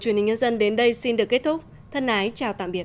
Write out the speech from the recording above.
truyền hình nhân dân đến đây xin được kết thúc thân ái chào tạm biệt